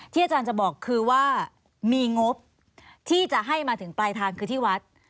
อาจารย์จะบอกคือว่ามีงบที่จะให้มาถึงปลายทางคือที่วัด